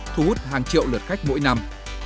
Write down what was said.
thu hút hàng triệu lượt khách mỗi năm